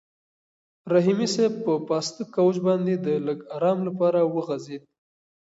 رحیمي صیب په پاسته کوچ باندې د لږ ارام لپاره وغځېد.